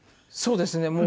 そうですね。